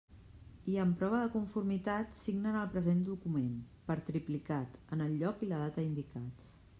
I en prova de conformitat, signen el present document, per triplicat, en el lloc i la data indicats.